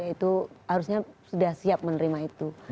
itu harusnya sudah siap menerima itu